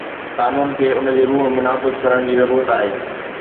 قانون کي ان جي روح ۾ نافذ ڪرڻ جي ضرورت آهي